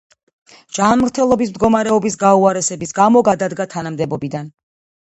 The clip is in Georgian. ჯანმრთელობის მდგომარეობის გაუარესების გამო გადადგა თანამდებობიდან.